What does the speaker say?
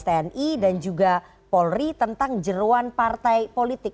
tni dan juga polri tentang jeruan partai politik